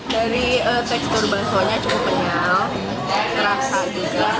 dari tekstur bakso nya cukup kenyal terasa juga